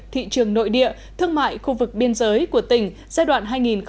thị trường nội địa thương mại khu vực biên giới của tỉnh giai đoạn hai nghìn một mươi sáu hai nghìn hai mươi